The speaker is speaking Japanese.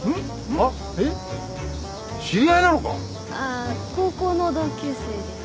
あ高校の同級生です。